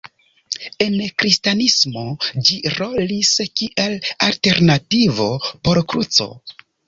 En Kristanismo, ĝi rolis kiel alternativo por kruco.